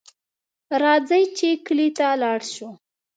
راځئ چې کلي ته لاړ شو